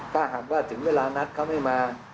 ถ้าหากว่าถึงเวลานัดเขาไม่มา